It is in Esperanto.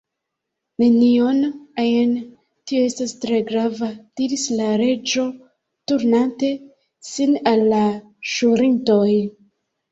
"Nenion ajn." "Tio estas tre grava," diris la Reĝo turnante sin al la ĵurintoj.